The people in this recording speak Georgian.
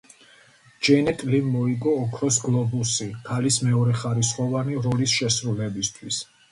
ჯენეტ ლიმ მოიგო ოქროს გლობუსი ქალის მეორეხარისხოვანი როლის შესრულებისთვის.